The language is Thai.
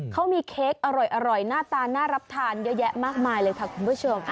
เขามีเค้กอร่อยหน้าตาน่ารับทานเยอะแยะมากมายเลยค่ะคุณผู้ชม